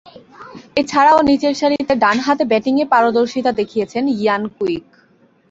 এছাড়াও, নিচেরসারিতে ডানহাতে ব্যাটিংয়ে পারদর্শীতা দেখিয়েছেন ইয়ান কুইক।